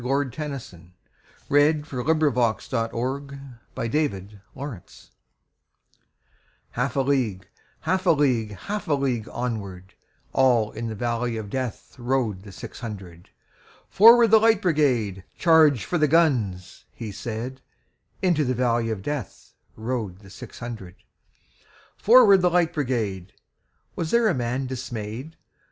Alfred Tennyson, 1st Baron 1809–92 The Charge of the Light Brigade Tennyson HALF a league, half a league, Half a league onward, All in the valley of DeathRode the six hundred."Forward, the Light Brigade! Charge for the guns!" he said:Into the valley of DeathRode the six hundred."Forward, the Light Brigade!"Was there a man dismay'd?